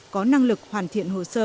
có năng lực hoàn thiện hồ sơ